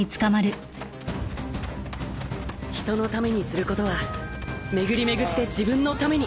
人のためにすることは巡り巡って自分のために